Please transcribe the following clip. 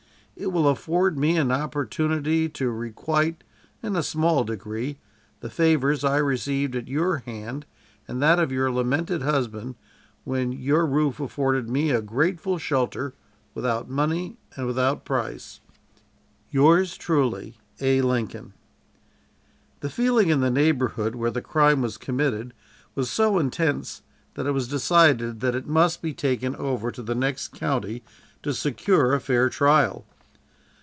"It will afford me an opportunity to requite, in a small degree, the favors I received at your hand, and that of your lamented husband, when your roof afforded me a grateful shelter, without money and without price. "Yours truly, "A. LINCOLN." The feeling in the neighborhood where the crime was committed was so intense that it was decided that it must be taken over to the next county to secure a fair trial.